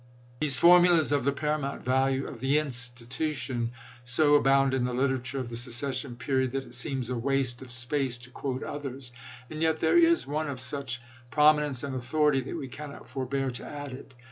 1 These formulas of the paramount value of the "institution" so abound in the literature of the se cession period that it seems a waste of space to quote others ; and yet there is one of such promi nence and authority that we cannot forbear to add it.